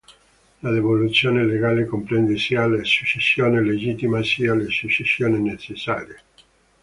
La devoluzione legale comprende sia la successione legittima sia la successione necessaria.